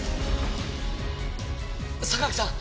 榊さん！